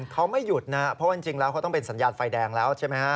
เขาไม่หยุดนะเพราะว่าจริงแล้วเขาต้องเป็นสัญญาณไฟแดงแล้วใช่ไหมฮะ